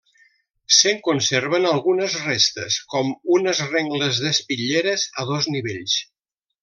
Se'n conserven algunes restes, com uns rengles d'espitlleres a dos nivells.